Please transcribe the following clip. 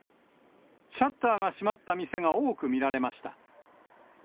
シャッターが閉まった店が多く見られました。